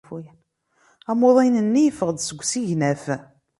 Amuḍin-nni yeffeɣ-d seg usegnaf.